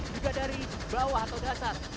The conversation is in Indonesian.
juga dari bawah atau dasar